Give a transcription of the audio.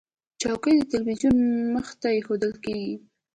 چوکۍ د تلویزیون مخې ته ایښودل کېږي.